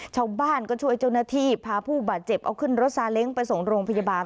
ชาวบ้านก็ช่วยเจ้าหน้าที่พาผู้บาดเจ็บเอาขึ้นรถซาเล้งไปส่งโรงพยาบาล